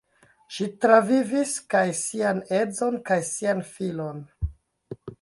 Ŝi transvivis kaj sian edzon kaj sian filon.